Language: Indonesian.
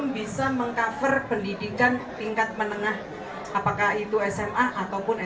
bapak ada yang ingin ditambahkan ada lagi pertanyaannya